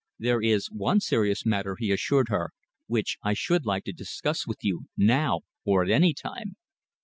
"There is one serious matter," he assured her, "which I should like to discuss with you now or at any time."